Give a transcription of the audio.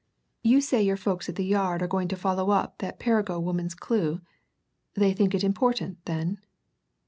You say your folks at the Yard are going to follow up that Perrigo woman's clue? They think it important, then?"